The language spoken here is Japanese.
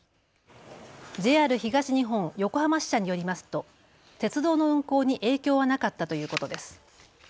ＪＲ東日本横浜支社によりますと鉄道の運行に影響はなかったということです。